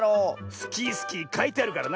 「スキースキー」かいてあるからな。